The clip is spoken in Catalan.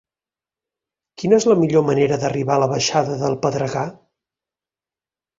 Quina és la millor manera d'arribar a la baixada del Pedregar?